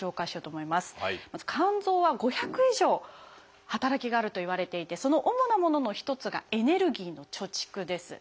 まず肝臓は５００以上働きがあるといわれていてその主なものの一つがエネルギーの貯蓄です。